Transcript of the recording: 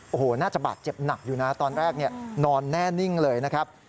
โอ้โหน่าจะบาดเจ็บหนักอยู่นะตอนแรกนอนแน่นิ่งเลยนะครับ